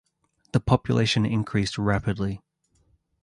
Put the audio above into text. The population increased rapidly.